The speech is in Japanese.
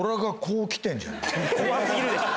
怖すぎるでしょ